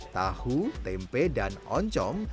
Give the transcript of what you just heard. tahu tempe dan oncom